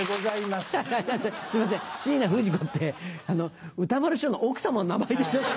すいません椎名冨士子って歌丸師匠の奥様の名前でしょ。